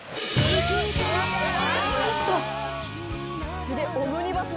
「ちょっと」